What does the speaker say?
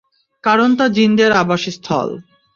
কারণ, তা জিনদের আবাসস্থল।